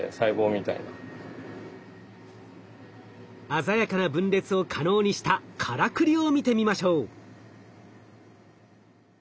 鮮やかな分裂を可能にしたからくりを見てみましょう。